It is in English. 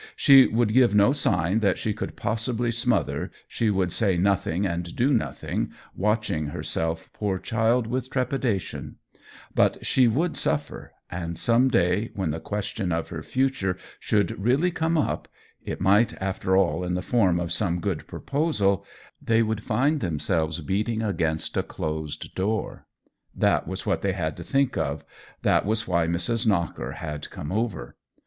She would give no sign that she could possibly smother, she would say nothing and do nothing, watch ing herself, poor child, with trepidation ; but she would suffer, and some day, when the question of her future should really come up — it might, after all, in the form of some good proposal — they would find themselves beating against a closed door. That was what they had to think of; that was why Mrs. Knocker had come over.